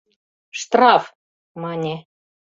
— Штраф! — мане.